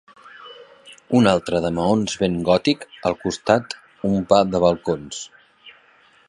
Un altre de maons ben gòtic al costat un pa de balcons